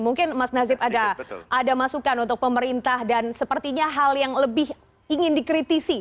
mungkin mas nazib ada masukan untuk pemerintah dan sepertinya hal yang lebih ingin dikritisi